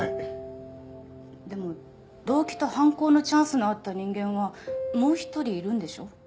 でも動機と犯行のチャンスのあった人間はもう一人いるんでしょ？